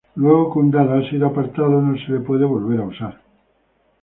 Luego que un dado ha sido apartado no se lo puede volver a usar.